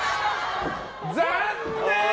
残念！